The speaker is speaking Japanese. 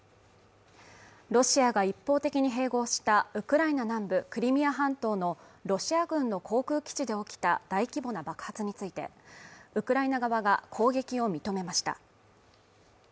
ロシアが一方的に併合したウクライナ南部クリミア半島のロシア軍の航空基地で起きた大規模な爆発についてウクライナ側が攻撃を認めました